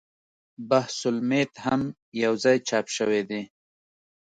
بحث المیت هم یو ځای چاپ شوی دی.